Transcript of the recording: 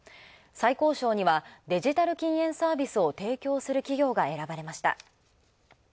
最高賞にはデジタル禁煙サービスを提供する企業が選ばれました。